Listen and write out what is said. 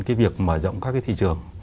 cái việc mở rộng các cái thị trường